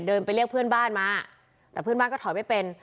ไปเรียกเพื่อนบ้านมาแต่เพื่อนบ้านก็ถอยไม่เป็น